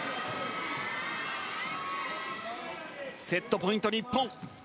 セットポイント、日本。